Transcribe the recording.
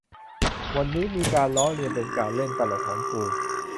วันนี้มีการล้อเลียนเป็นการเล่นตลกของปู่